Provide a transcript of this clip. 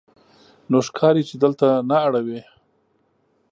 نو ښکاري چې دلته نه اړوې.